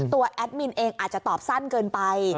แอดมินเองอาจจะตอบสั้นเกินไป